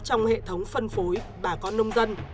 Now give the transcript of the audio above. trong hệ thống phân phối bà con nông dân